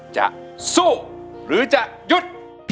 จะสู้หรือจะหยุด